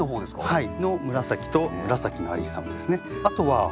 はい。